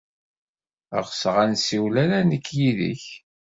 Ɣseɣ ad nessiwel ala nekk yid-k.